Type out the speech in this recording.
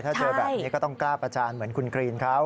ถ้าเจอแบบนี้ก็ต้องกล้าประจานเหมือนคุณกรีนเขา